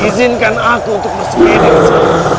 izinkan aku untuk bersedia